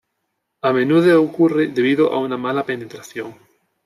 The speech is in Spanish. A menudo ocurre debido a una mala penetración.